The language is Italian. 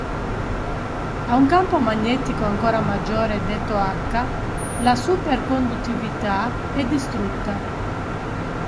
A un campo magnetico ancora maggiore detto "H" la superconduttività è distrutta.